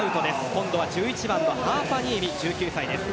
今度は１１番のハーパニエミ１９歳です。